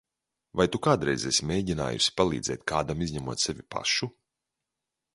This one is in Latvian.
Vai tu kādreiz esi mēģinājusi palīdzēt kādam, izņemot sevi pašu?